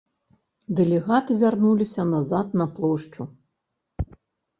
Дэлегаты вярнуліся назад на плошчу.